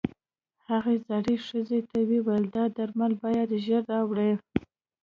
هغې زړې ښځې ته وويل دا درمل بايد ژر راوړې.